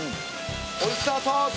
オイスターソース！